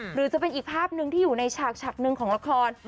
หรือจะเป็นอีกภาพหนึ่งที่อยู่ในฉากฉากหนึ่งของละคร